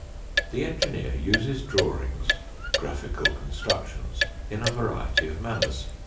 The engineer uses drawings, graphical constructions, in a variety of manners.